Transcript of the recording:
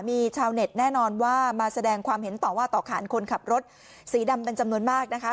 มีชาวเน็ตแน่นอนว่ามาแสดงความเห็นต่อว่าต่อขานคนขับรถสีดำเป็นจำนวนมากนะคะ